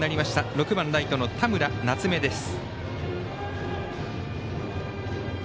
６番ライトの田村夏芽です。